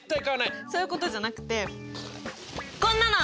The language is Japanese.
そういうことじゃなくてこんなの！